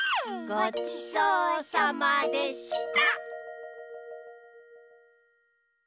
ごちそうさまでした！